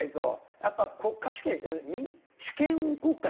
やっぱ国家主権主権国家ですからね。